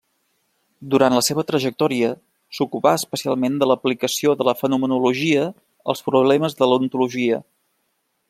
Durant la seva trajectòria, s’ocupà especialment de l’aplicació de la fenomenologia als problemes de l’ontologia.